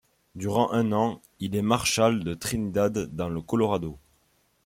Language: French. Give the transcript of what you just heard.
Durant un an, il est marshall de Trinidad dans le Colorado.